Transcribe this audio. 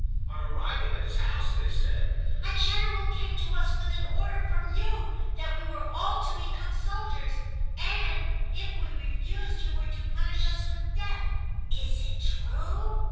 On arriving at his house they said: "A General came to us with an order from you that we were all to become soldiers, and if we refused you were to punish us with death. Is it true?"